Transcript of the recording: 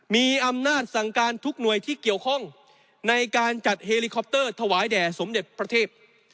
มีอำนาจสั่งการทุกหน่วยที่เกี่ยวข้องในการจัดเฮลิคอปเตอร์ถวายแด่สมเด็จประเทศ